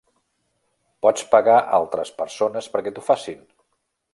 Pots pagar altres persones perquè t'ho facin.